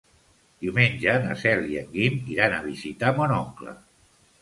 Diumenge na Cel i en Guim iran a visitar mon oncle.